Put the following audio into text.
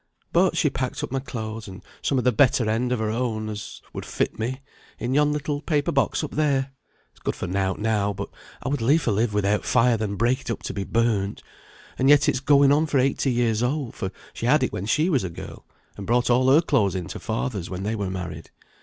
But she packed up my clothes, and some o' the better end of her own as would fit me, in yon little paper box up there it's good for nought now, but I would liefer live without fire than break it up to be burnt; and yet it's going on for eighty years old, for she had it when she was a girl, and brought all her clothes in it to father's, when they were married.